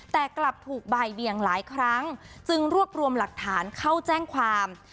แต่กลับถูกบ่ายเบียงหลายครั้งจึงรวบรวมหลักฐานเข้าแจ้งความ